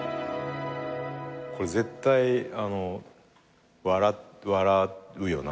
これ絶対笑うよな。